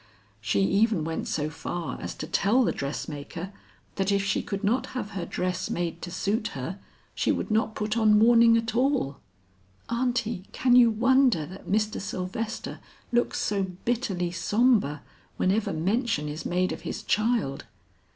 She even went so far as to tell the dressmaker that if she could not have her dress made to suit her she would not put on mourning at all! Aunty, can you wonder that Mr. Sylvester looks so bitterly sombre whenever mention is made of his child?